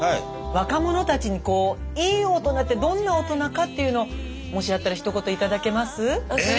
若者たちにこういい大人ってどんな大人かっていうのをもしあったらひと言頂けます？